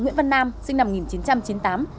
nguyễn văn nam sinh năm một nghìn chín trăm chín mươi tám